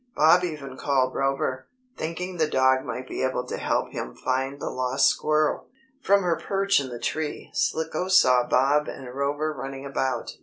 Bob even called Rover, thinking the dog might be able to help him find the lost squirrel. From her perch in the tree, Slicko saw Bob and Rover running about.